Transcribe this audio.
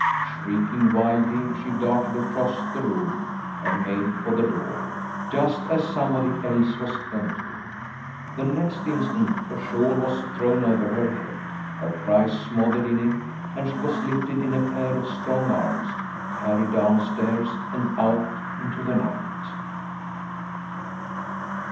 Shrieking wildly, she darted across the room, and made for the door, just as somebody else was entering it. The next instant, a shawl was thrown over her head, her cries smothered in it, and she was lifted in a pair of strong arms, carried down stairs, and out into the night.